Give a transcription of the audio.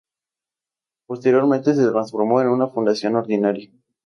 Posteriormente, se transformó en una fundación ordinaria.